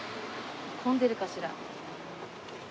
混んでるかしら？